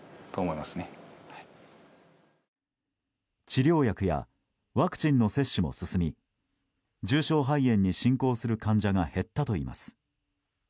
治療薬やワクチンの接種も進み重症肺炎に進行する患者が減ったといいます。